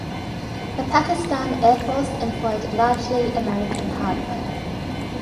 The Pakistan Air Force employed largely American hardware.